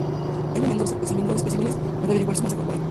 M. Mendoza examinó dos especímenes para averiguar su masa corporal.